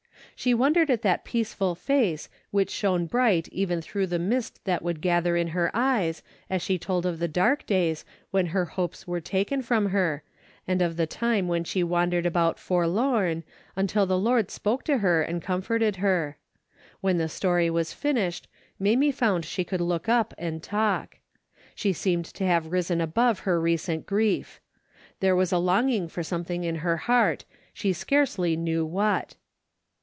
She wondered at that peaceful face, which shone bright even through tlie mist that would gather in her eyes, as she told of the dark days when her hopes were taken from her, and of the time when she wandered about forlorn, until the Lord spoke to her and com forted her. When the story was finished, Mamie found she could look up and talk. She seemed to have risen above her recent grief. There was a longing for something in her heart, she scarcely knew what.